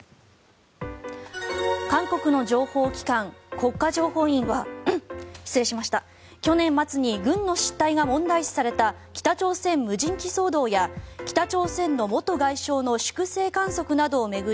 韓国の情報機関国家情報院は去年末に軍の失態が問題視された北朝鮮無人機騒動や北朝鮮の元外相の粛清観測などを巡り